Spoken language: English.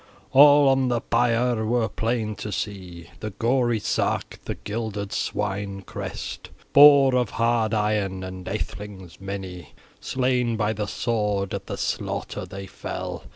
All on the pyre were plain to see the gory sark, the gilded swine crest, boar of hard iron, and athelings many slain by the sword: at the slaughter they fell.